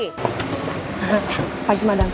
eh pagi madam